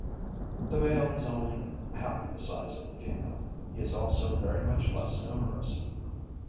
The male is only half the size of the female; he is also very much less numerous.